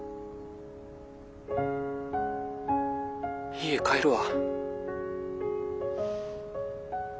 家帰るわ。